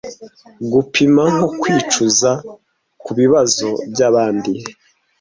gupima nko kwicuza kubibazo byabandi